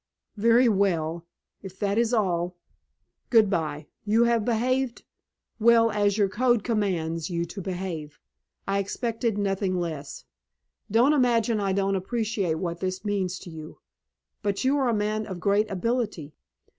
"Very well. If that is all " "Good by. You have behaved well, as our code commands you to behave. I expected nothing less. Don't imagine I don't appreciate what this means to you. But you are a man of great ability.